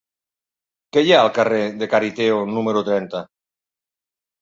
Què hi ha al carrer de Cariteo número trenta?